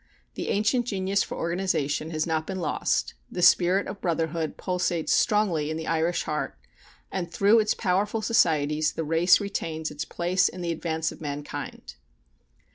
The ancient genius for organization has not been lost, the spirit of brotherhood pulsates strongly in the Irish heart, and through its powerful societies the race retains its place in the advance of mankind.